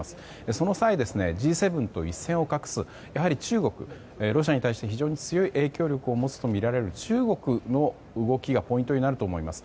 その際、Ｇ７と一線を画す中国ロシアに対して非常に強い影響力を持つとみられる中国の動きがポイントになると思います。